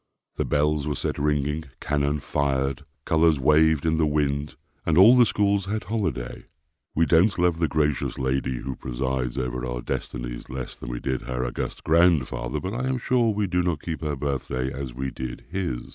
The bells were set ringing, cannon fired, colours waved in the wind, and all the schools had holiday. We don't love the gracious Lady who presides over our destinies less than we did her august grandfather, but I am sure we do not keep her birthday as we did his.